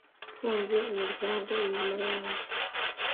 mfunze umuryango inyuma yanjye